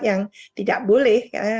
yang dihubungi dengan kepentingan